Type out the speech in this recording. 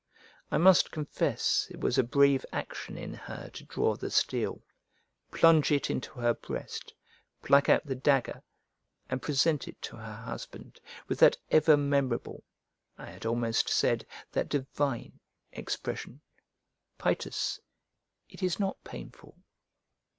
I must confess it was a brave action in her to draw the steel, plunge it into her breast, pluck out the dagger, and present it to her husband with that ever memorable, I had almost said that divine, expression, "Paetus, it is not painful."